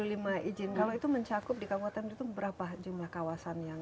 lima puluh lima izin kalau itu mencakup di kabupaten itu berapa jumlah kawasan yang